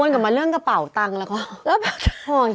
วนกลับมาเรื่องกระเป๋าตังค์แล้วก็